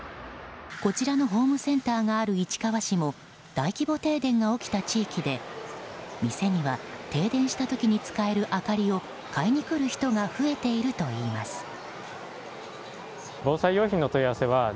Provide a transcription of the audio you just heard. こちらのホームセンターがある市川市も大規模停電が起きた地域で店には停電した時に使える明かりを買いにくる人が増えているといいます。